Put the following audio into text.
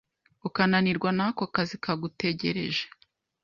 ukananirwa n’ako kazi kagutegereje.